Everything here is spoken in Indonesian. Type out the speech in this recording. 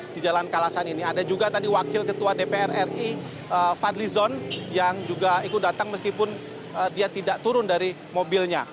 di jalan kalasan ini ada juga tadi wakil ketua dpr ri fadli zon yang juga ikut datang meskipun dia tidak turun dari mobilnya